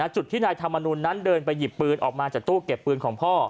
จุดที่นายธรรมนุนนั้นเดินไปหยิบปืนออกมาจากตู้เก็บปืนของพ่อ